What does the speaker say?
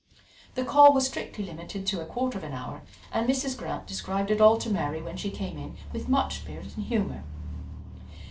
The call was strictly limited to a quarter of an hour, and Mrs. Grant described it all to Mary when she came in with much spirit and humour.